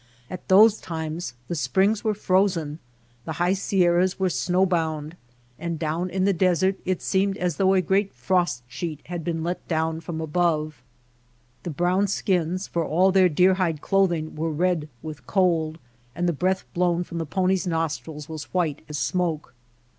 At those times the springs were frozen, the high sierras were snow bound, and down in the desert it seemed as though a great frost sheet had been let down from above. The brown skins for all their deer hide clothing were red with cold, and the breath blown from the pony^s nostrils was white as smoke.